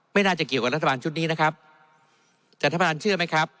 ไม่น่าจะเกี่ยวกับรัฐบาลชุดนี้นะครับจัดพนันเชื่อไหมครับ